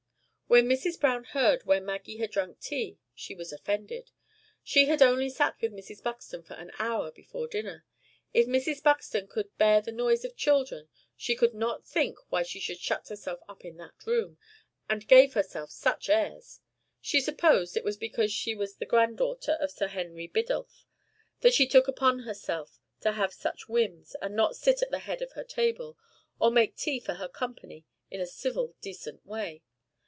When Mrs. Browne heard where Maggie had drank tea, she was offended. She had only sat with Mrs. Buxton for an hour before dinner. If Mrs. Buxton could bear the noise of children, she could not think why she shut herself up in that room, and gave herself such airs. She supposed it was because she was the granddaughter of Sir Henry Biddulph that she took upon herself to have such whims, and not sit at the head of her table, or make tea for her company in a civil decent way.